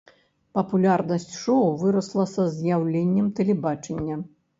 Папулярнасць шоу вырасла са з'яўленнем тэлебачання.